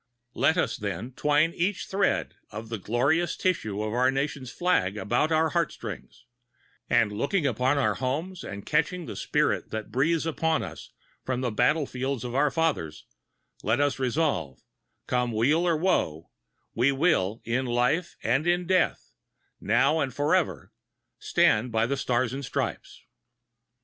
Let us, then, twine each thread of the glorious tissue of our country's flag about our heartstrings; and looking upon our homes and catching the spirit that breathes upon us from the battle fields of our fathers, let us resolve, come weal or woe, we will, in life and in death, now and forever, stand by the Stars and Stripes.